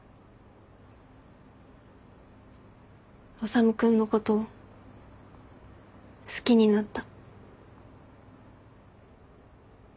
修君のこと好きになった。